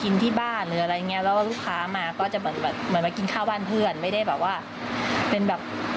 นี่ล่ะครับ